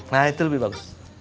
nah itu lebih bagus